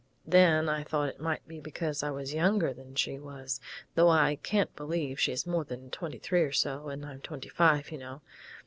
Then I thought it might be because I was younger than she was, though I can't believe she is more than twenty three or so, and I'm twenty five, you know.